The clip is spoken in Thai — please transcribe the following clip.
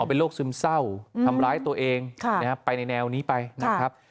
เป็นโรคซึมเศร้าทำร้ายตัวเองไปในแนวนี้ไปนะครับ